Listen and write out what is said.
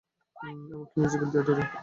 এমনকি মিউজিক্যাল থিয়েটারে ও।